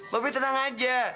be bobi tenang aja